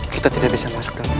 kita tidak bisa masuk dalam